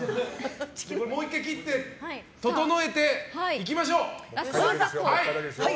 もう１回切って、整えていきましょう。